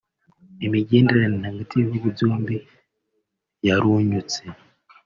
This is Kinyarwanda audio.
Imigenderanire hagati y'ibihugu vyombi yarunyutse